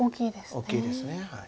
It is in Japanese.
大きいですはい。